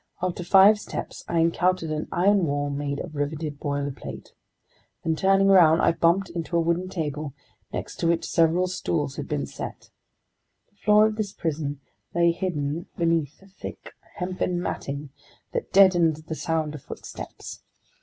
After five steps I encountered an iron wall made of riveted boilerplate. Then, turning around, I bumped into a wooden table next to which several stools had been set. The floor of this prison lay hidden beneath thick, hempen matting that deadened the sound of footsteps.